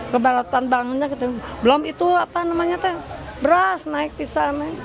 keberatan banknya belum itu apa namanya tuh beras naik pisah